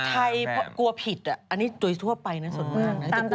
ใครกลัวผิดอันนี้โดยทั่วไปนะส่วนมากนะ